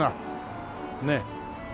ねえ。